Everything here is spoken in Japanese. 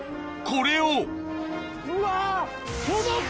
これをうわ！